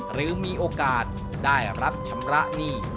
หรือมีโอกาสได้รับชำระหนี้